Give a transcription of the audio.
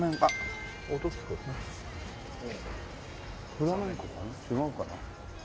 フラメンコかな違うかな。